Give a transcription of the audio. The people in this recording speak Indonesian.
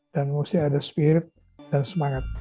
dan mesti ada spirit dan semangat